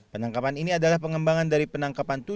penangkapan ini adalah pengembangan dari penangkapan